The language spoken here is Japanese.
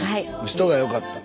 人が良かった。